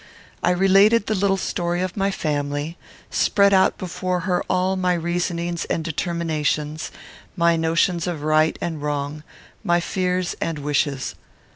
I related the little story of my family, spread out before her all my reasonings and determinations, my notions of right and wrong, my fears and wishes.